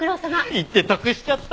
行って得しちゃった！